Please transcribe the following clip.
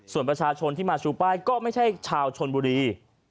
ส่วนประชาชนที่มาชูป้ายก็ไม่ใช่ชาวชนบุรี